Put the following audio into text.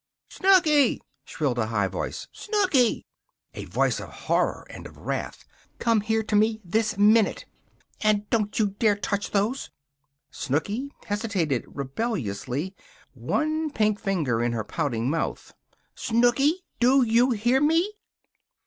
"Snooky!" shrilled a high voice. "Snooky!" A voice of horror and of wrath. "Come here to me this minute! And don't you dare to touch those!" Snooky hesitated rebelliously, one pink finger in her pouting mouth. "Snooky! Do you hear me?"